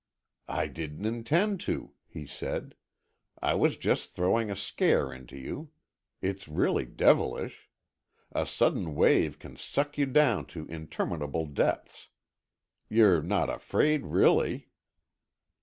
"I didn't intend to," he said, "I was just throwing a scare into you. It's really devilish. A sudden wave can suck you down to interminable depths. You're not afraid, really?"